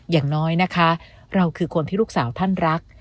อย่างน้อยนะคะเราคือคนที่ลูกสาวท่านรัก